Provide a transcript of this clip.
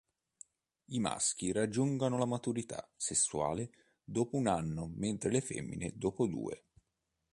I maschi raggiungono la maturità sessuale dopo un anno mentre le femmine dopo due.